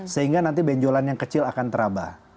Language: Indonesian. sehingga nanti benjolan yang kecil akan teraba